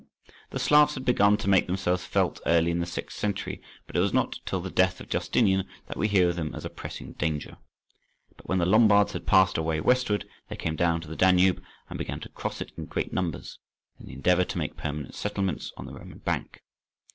The Slavs had begun to make themselves felt early in the sixth century, but it was not till the death of Justinian that we hear of them as a pressing danger. But when the Lombards had passed away westward, they came down to the Danube and began to cross it in great numbers, in the endeavour to make permanent settlements on the Roman bank.